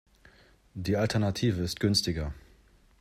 Die Alternative ist günstiger.